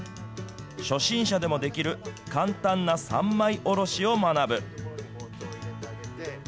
初心者でもできる、簡単な三枚おろしを学ぶ。